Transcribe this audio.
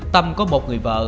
tâm có một người vợ